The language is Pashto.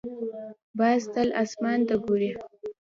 باز تل اسمان ته ګوري